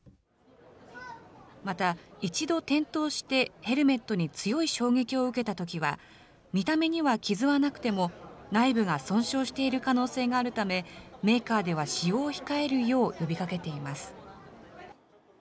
また、一度転倒してヘルメットに強い衝撃を受けたときは、見た目には傷はなくても、内部が損傷している可能性があるため、メーカーでは使用を控えるよう呼びかけています。